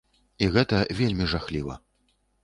І гэта вельмі жахліва!